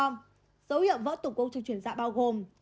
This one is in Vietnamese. dấu hiệu vỡ tủ cung cho chuyển dạ bao gồm